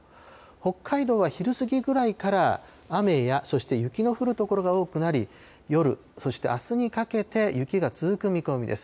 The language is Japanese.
北海道は昼過ぎぐらいから雨や、そして雪の降る所が多くなり、夜、そしてあすにかけて、雪が続く見込みです。